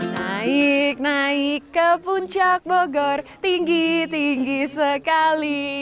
naik naik ke puncak bogor tinggi tinggi sekali